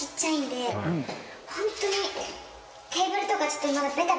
ホントに。